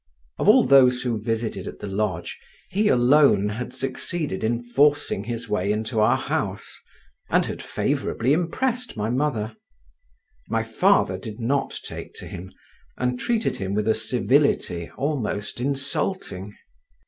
Of all those who visited at the lodge, he alone had succeeded in forcing his way into our house, and had favourably impressed my mother. My father did not take to him, and treated him with a civility almost insulting.